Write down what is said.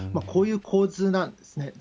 こういう構図なんですね。